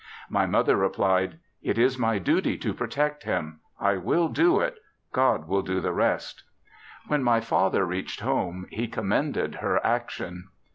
My mother replied, "It is my duty to protect him. I will do it. God will do the rest." When my father reached home he commended her action.